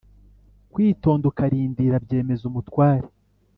Kwitonda ukarind ra byemeza umutware